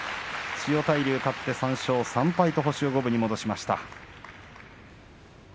千代大龍勝って３勝３敗と星を五分に伸ばしました。